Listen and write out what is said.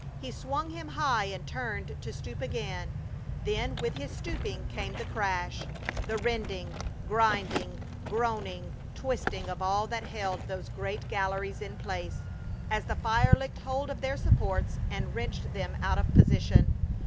He swung him high and turned to stoop again; then with his stooping came the crash; the rending, grinding, groaning, twisting of all that held those great galleries in place, as the fire licked hold of their supports and wrenched them out of position.